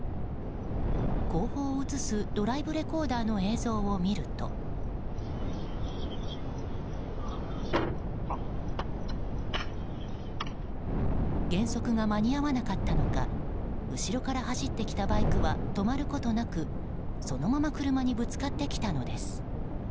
後方を映すドライブレコーダーの映像を見ると減速が間に合わなかったのか後ろから走ってきたバイクは止まることなく、そのまま車にぶつかってきたのです。